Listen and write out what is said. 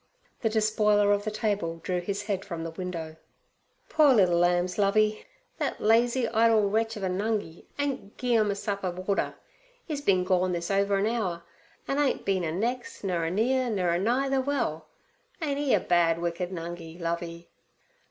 The despoiler of the table drew his head from the window. 'Poor liddle lambs, Lovey! Thet lazy, idle wretch ov a Nungi ain't gi' 'em a sup of water. 'E's been gorn this over an hour, an' ain't bin a nex', nur a near, nur a nigh ther well. Ain't 'e a bad, wicked Nungi, Lovey?'